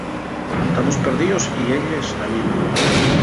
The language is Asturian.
Tamos perdíos, y elles tamién.